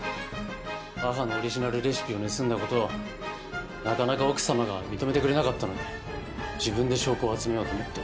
母のオリジナルレシピを盗んだ事をなかなか奥様が認めてくれなかったので自分で証拠を集めようと思って。